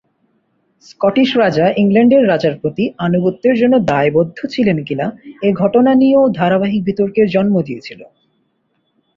Scottish রাজা ইংল্যান্ডের রাজার প্রতি আনুগত্যের জন্য দায়বদ্ধ ছিলেন কিনা এ ঘটনা তা নিয়েও ধারাবাহিক বিতর্কের জন্ম দিয়েছিল।